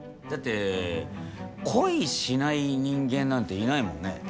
だって恋しない人間なんていないもんね。